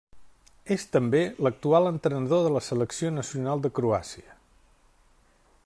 És també l'actual entrenador de la selecció nacional de Croàcia.